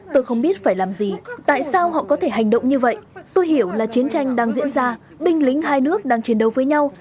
tôi không biết phải làm gì tại sao họ có thể hành động như vậy tôi hiểu là chiến tranh đang diễn ra binh lính hai nước đang chiến đấu với nhau